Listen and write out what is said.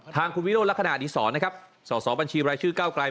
ทางคุณวิโรลักษณะดิสรสสบัญชีรายชื่อเก้ากลาย